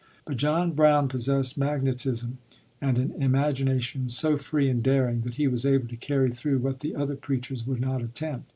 But John Brown possessed magnetism and an imagination so free and daring that he was able to carry through what the other preachers would not attempt.